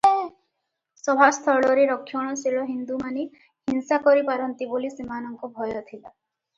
ସଭାସ୍ଥଳରେ ରକ୍ଷଣଶୀଳ ହିନ୍ଦୁମାନେ ହିଂସା କରିପାରନ୍ତି ବୋଲି ସେମାନଙ୍କ ଭୟ ଥିଲା ।